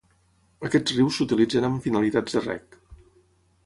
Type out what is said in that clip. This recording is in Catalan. Aquests rius s'utilitzen amb finalitats de reg.